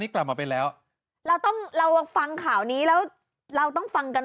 กลับมาเป็นแล้วเราต้องเราฟังข่าวนี้แล้วเราต้องฟังกัน